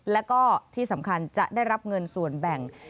แล้วก็ที่สำคัญจะได้รับเงินส่วนแบ่ง